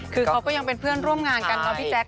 คือเขาก็ยังเป็นเพื่อนร่วมงานกันเนาะพี่แจ๊